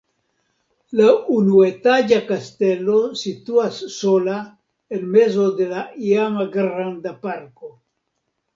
La unuetaĝa kastelo situas sola en mezo de la iama granda parko.